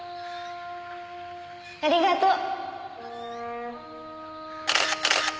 ありがとう。